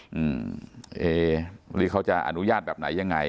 อืมเอ๊หรือเขาจะอนุญาตแบบไหนยังไง